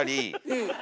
うん。